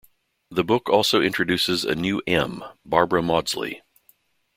The book also introduces a new M, Barbara Mawdsley.